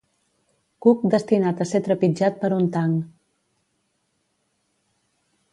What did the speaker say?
Cuc destinat a ser trepitjat per un tanc.